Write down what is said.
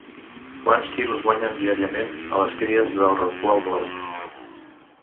Quants quilos guanyen diàriament les cries del rorqual blau?